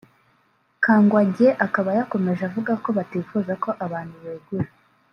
Kangwagye akaba yakomeje avuga ko batifuza ko abantu begura